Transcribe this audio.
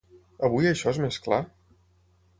Avui això és més clar?